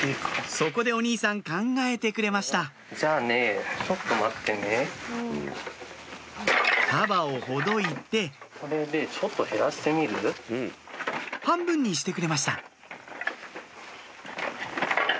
そこでお兄さん考えてくれました束をほどいて半分にしてくれました